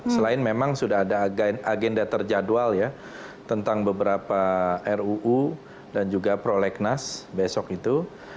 selain memang sudah ada agenda terjadwal ya tentang beberapa ruu dan juga prolegnas besok itu